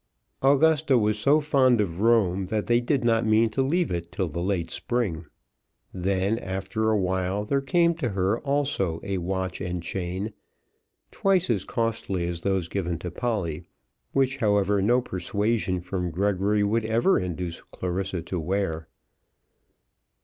Augusta was so fond of Rome that they did not mean to leave it till the late spring. Then, after a while, there came to her, also, a watch and chain, twice as costly as those given to Polly, which, however, no persuasion from Gregory would ever induce Clarissa to wear.